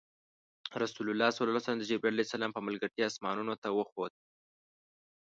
رسول الله د جبرایل ع په ملګرتیا اسمانونو ته وخوت.